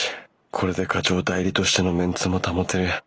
これで課長代理としてのメンツも保てる！